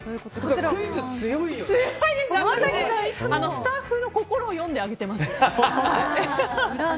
スタッフの心を読んで上げてます。